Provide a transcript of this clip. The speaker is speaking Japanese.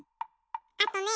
あとね